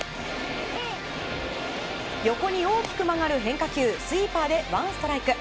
横に大きく曲がる変化球スイーパーでワンストライク。